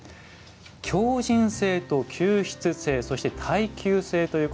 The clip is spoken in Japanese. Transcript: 強じん性と吸湿性そして、耐久性。